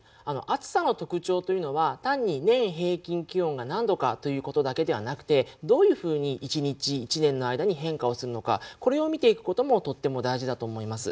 暑さの特徴というのは単に年平均気温が何度かということだけではなくてどういうふうに一日一年の間に変化をするのかこれを見ていくこともとっても大事だと思います。